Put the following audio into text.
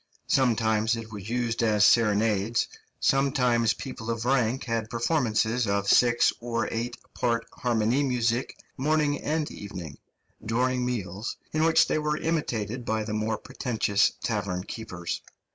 Sometimes it was used as serenades, sometimes people of rank had performances of six or eight part harmoniemusik morning and evening, during meals, in which they were imitated by the more pretentious tavern keepers.